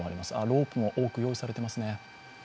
ロープも多く用意されていますね。